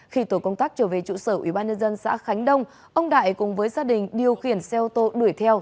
khi tổ công tác trở về trụ sở ubnd xã khánh đông ông đại cùng với gia đình điều khiển xe ô tô đuổi theo